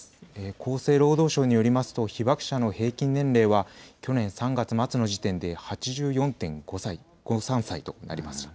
厚生労働省によりますと被爆者の平均年齢は去年３月末の時点で８４．５３歳となります。